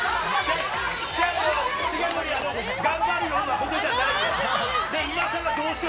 重盛、頑張るようなことじゃないよ。